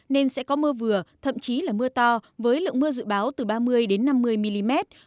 nên sẽ có mưa vừa thậm chí là mưa to với lượng mưa dự báo từ ba mươi năm mươi mm